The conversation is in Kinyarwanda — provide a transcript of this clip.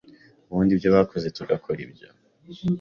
Ubundi ibyo bakoze tugakora ibyo,